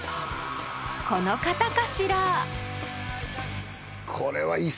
この方かしら？